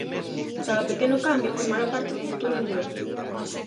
Cada pequeno cambio formará parte dun futuro mellor.